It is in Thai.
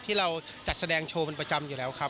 ที่เราจัดแสดงโชว์เป็นประจำอยู่แล้วครับ